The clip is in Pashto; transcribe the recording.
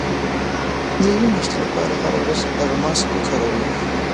د يوې مياشتې لپاره هره ورځ دغه ماسک وکاروئ.